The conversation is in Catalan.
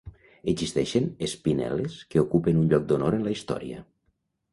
Existeixen espinel·les que ocupen un lloc d'honor en la història.